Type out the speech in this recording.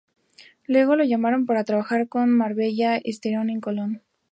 Luego lo llamaron para trabajar en Marbella Stereo, en Colón.